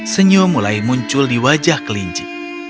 senyum mulai muncul di wajah kelinci